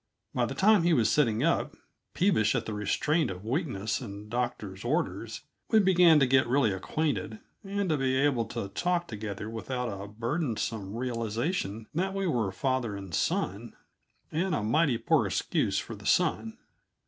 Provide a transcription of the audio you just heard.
By the time he was sitting up, peevish at the restraint of weakness and doctor's orders, we began to get really acquainted and to be able to talk together without a burdensome realization that we were father and son and a mighty poor excuse for the son.